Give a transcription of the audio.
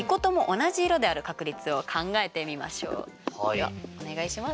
ではお願いします。